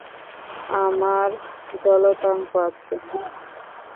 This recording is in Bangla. আমার জলাতঙ্ক আছে।